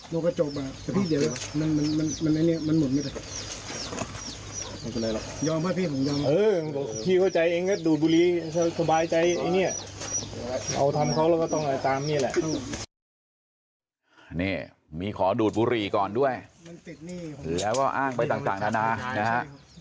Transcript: นี่มีขอดูดบุหรี่ก่อนด้วยแล้วก็อ้างไปต่างนานานะฮะ